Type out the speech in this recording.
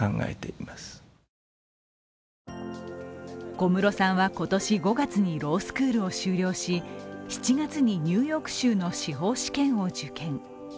小室さんは今年５月にロースクールを修了し７月にニューヨーク州の司法試験を受験。